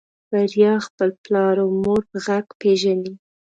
بريا خپل پلار او مور په غږ پېژني.